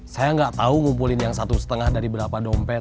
saya nggak tahu ngumpulin yang satu lima dari berapa dompet